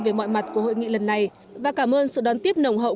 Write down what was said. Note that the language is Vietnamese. về mọi mặt của hội nghị lần này và cảm ơn sự đón tiếp nồng hậu